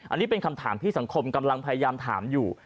อันนี้เป็นคำถามที่สังคมกำลังพยายามถามอยู่